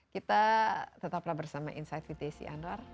kita tetaplah bersama insight with desi anwar